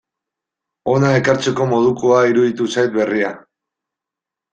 Hona ekartzeko modukoa iruditu zait berria.